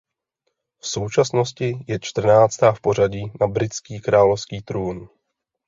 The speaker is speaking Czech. V současnosti je čtrnáctá v pořadí na britský královský trůn.